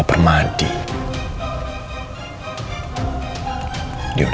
apakah saya ouri